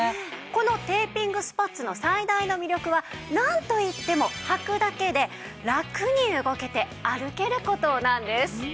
このテーピングスパッツの最大の魅力はなんといってもはくだけでラクに動けて歩ける事なんです。